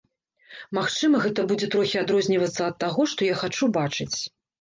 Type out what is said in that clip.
Магчыма, гэта будзе трохі адрознівацца ад таго, што я хачу бачыць.